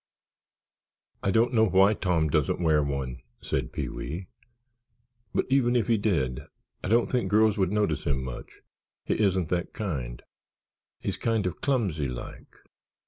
"I don't know why Tom doesn't wear one," said Pee wee. "But even if he did I don't think girls would notice him much—he isn't that kind. He's kind of clumsy, like.